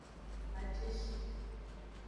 Maceshi.